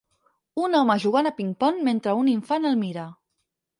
Un home jugant a ping-pong mentre un infant el mira.